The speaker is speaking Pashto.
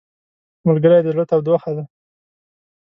ملګری د زړه تودوخه ده